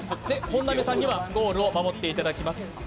本並さんにはゴールを守っていただきます。